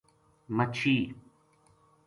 مچھی